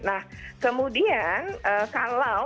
nah kemudian kalau